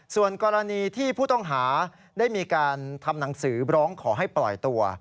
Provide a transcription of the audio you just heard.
ส่วนกรณีที่ผู้ต้องหาได้มีการทำหนังสือร้องขอให้ปล่อยตัว